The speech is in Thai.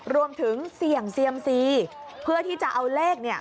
รวมถึงเสี่ยงเซียมซีเพื่อที่จะเอาเลขเนี่ย